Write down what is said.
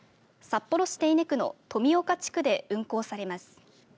札幌市手稲区の富丘地区で運行されます。